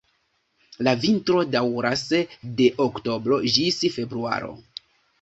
La vintro daŭras de oktobro ĝis februaro.